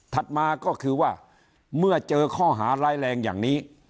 มาก็คือว่าเมื่อเจอข้อหาร้ายแรงอย่างนี้